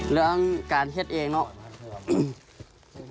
เรื่องการเห็ดเองนี่